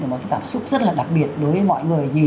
một cái cảm xúc rất là đặc biệt đối với mọi người